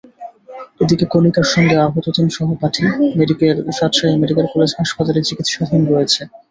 এদিকে কণিকার সঙ্গে আহত তিন সহপাঠী রাজশাহী মেডিকেল কলেজ হাসপাতালে চিকিৎসাধীন রয়েছে।